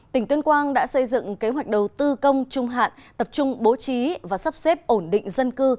tỉnh tuyên quang đã xây dựng kế hoạch đầu tư công trung hạn tập trung bố trí và sắp xếp ổn định dân cư